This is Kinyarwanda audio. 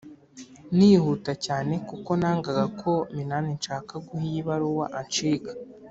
nihuta cyane kuko nangaga ko Minani nshaka guha iyi baruwa anshika